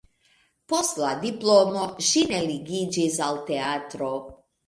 Post la diplomo ŝi ne ligiĝis al teatro.